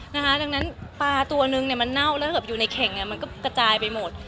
ดังนั้นปลาตัวนึงเนี่ยมันเน่าแล้วเหิบอยู่ในเข่งเนี่ยมันก็กระจายไปหมด